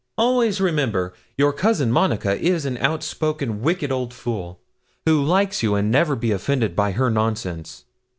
'Always remember your cousin Monica is an outspoken, wicked old fool, who likes you, and never be offended by her nonsense.